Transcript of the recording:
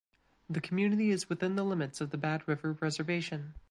The community is within the limits of the Bad River Reservation.